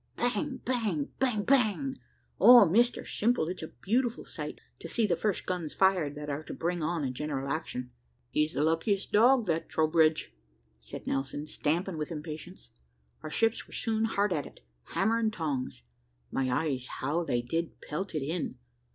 Bang bang bang, bang! Oh, Mr Simple, it's a beautiful sight, to see the first guns fired, that are to bring on a general action. `He's the luckiest dog, that Troubridge,' said Nelson, stamping with impatience. Our ships were soon hard at it, hammer and tongs, (my eyes, how they did pelt it in!)